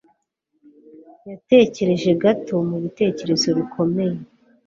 Yatekereje gato mu bitekerezo bikomeye